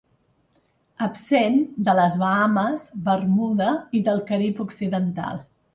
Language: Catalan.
Absent de les Bahames, Bermuda i del Carib occidental.